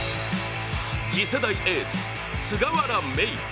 次世代エース、菅原芽衣。